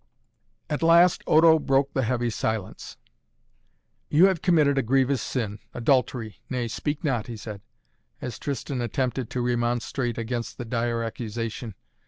At last Odo broke the heavy silence. "You have committed a grievous sin adultery nay, speak not!" he said, as Tristan attempted to remonstrate against the dire accusation.